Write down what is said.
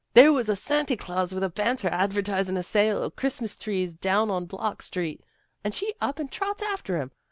" There was a Santy Claws with a banner, a avertisin' a sale o' Christmas trees, down on Block street, and she up and trots after him.